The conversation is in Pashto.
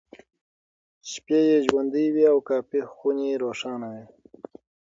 شپې یې ژوندۍ وې او کافيخونې روښانه وې.